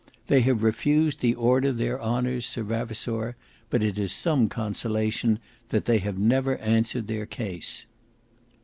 They have refused the Order their honours, Sir Vavasour, but it is some consolation that they have never answered their case."